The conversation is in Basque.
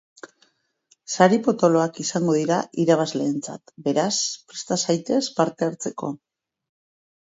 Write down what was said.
Sari potoloak izango dira irabazleentzat, beraz, presta zaitez parte hartzeko.